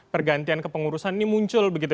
pergantian kepengurusan ini muncul begitu